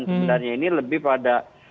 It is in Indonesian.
sebenarnya ini lebih pada